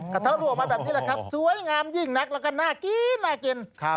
กระเท้ารั่วมาแบบนี้แหละครับสวยงามยิ่งนักแล้วก็น่ากินน่ากิน